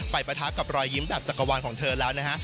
ปะทะกับรอยยิ้มแบบจักรวาลของเธอแล้วนะฮะ